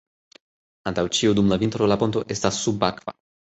Antaŭ ĉio dum la vintro la ponto estas subakva.